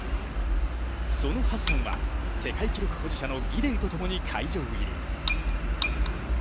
そのハッサンは世界記録保持者のギデイとともに会場入り。